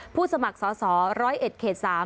ผู้สมัครสอสอร้อยเอ็ดเขต๓